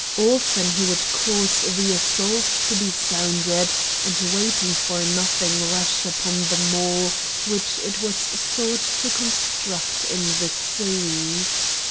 Often he would cause the assault to be sounded and waiting for nothing rush upon the mole which it was sought to construct in the sea.